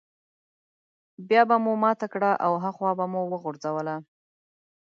بيا به مو ماته کړه او هاخوا به مو وغورځوله.